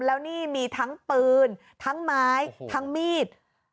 แล้วนี่มีทั้งปืนทั้งไม้ทั้งมีด